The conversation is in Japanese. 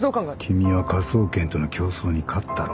君は科捜研との競争に勝ったろ。